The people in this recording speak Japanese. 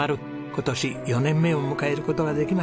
今年４年目を迎える事ができました。